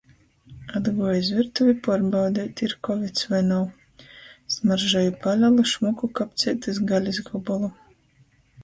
Atguoju iz virtuvi puorbaudeit; ir kovids voi nav. Smaržoju palelu, šmuku kapceitys galis gobolu...